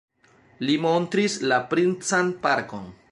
Li montris la princan parkon.